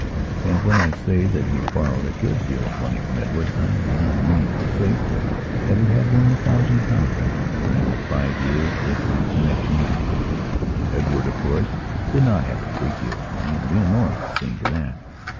And when I say that he borrowed a good deal of money from Edward I do not mean to say that he had more than a thousand pounds from him during the five years that the connection lasted. Edward, of course, did not have a great deal of money; Leonora was seeing to that.